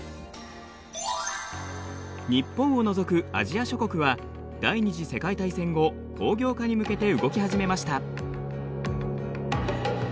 日本を除くアジア諸国は第２次世界大戦後工業化に向けて動き始めました。